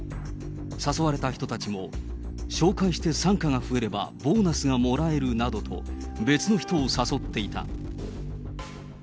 誘われた人たちも、紹介して傘下が増えれば、ボーナスがもらえるなどと、別の人を誘っていた。